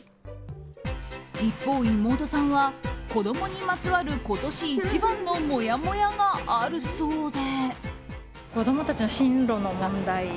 一方、妹さんは子供にまつわる今年一番のもやもやがあるそうで。